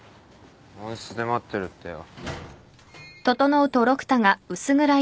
温室で待ってるってよ。